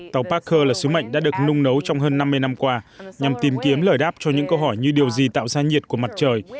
tàu parker là sứ mệnh đã được nung nấu trong hơn năm mươi năm qua nhằm tìm kiếm lời đáp cho những câu hỏi như điều gì tạo ra nhiệt của mặt trời